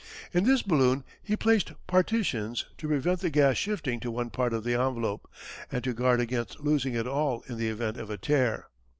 In this balloon he placed partitions to prevent the gas shifting to one part of the envelope, and to guard against losing it all in the event of a tear.